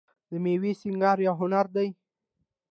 د میوو سینګار یو هنر دی.